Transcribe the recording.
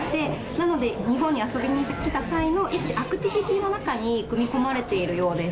なので、日本に遊びに来た際のいちアクティビティの中に組み込まれているようです。